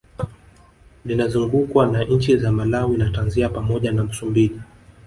Linazungukwa na nchi za Malawi na Tanzania pamoja na Msumbiji